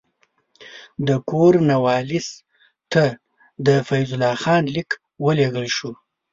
د کورنوالیس ته د فیض الله خان لیک ولېږل شو.